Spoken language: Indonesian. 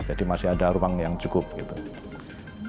jadi kalau melihat hutang itu jangan dilihat ada hutang itu saja